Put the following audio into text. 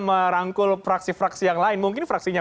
merangkul fraksi fraksi yang lain mungkin fraksinya